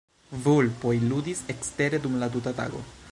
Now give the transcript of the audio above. Vulpoj ludis ekstere dum la tuta tago.